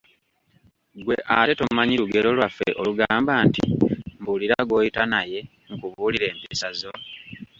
Ggwe ate tomanyi lugero lwaffe olugamba nti , "Mbuulira gw'oyita naye nkubuulire empisa zo" ?